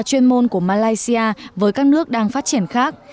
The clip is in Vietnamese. chuyên môn của malaysia với các nước đang phát triển khác